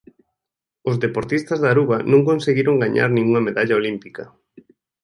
Os deportistas de Aruba non conseguiron gañar ningunha medalla olímpica.